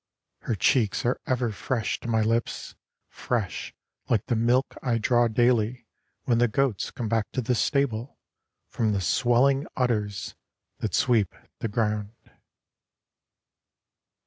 Her cheeks are ever fresh to my lips, Fresh like the milk I draw daily When the goats come back to the stable From the swelling udders that sweep the ground.